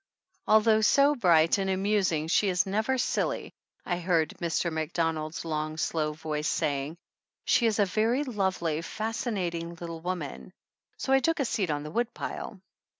"Although so bright and amusing she is never silly," I heard Mr. Macdonald's long, slow voice saying. "She is a very lovely, fascinating little woman." So I took a seat on the woodpile.